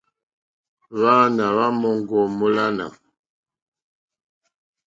Hwáāná hwá má òŋɡô mólánà.